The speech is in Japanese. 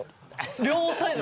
両サイド